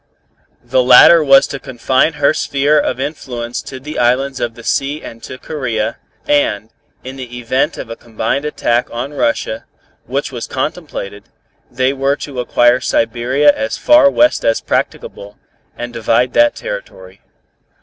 The latter was to confine her sphere of influence to the Islands of the Sea and to Korea, and, in the event of a combined attack on Russia, which was contemplated, they were to acquire Siberia as far west as practicable, and divide that territory.